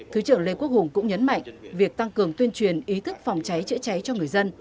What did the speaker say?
thứ trưởng lê quốc hùng cũng nhấn mạnh việc tăng cường tuyên truyền ý thức phòng cháy chữa cháy cho người dân